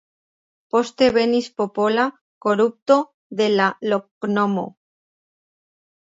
Poste venis popola korupto de la loknomo.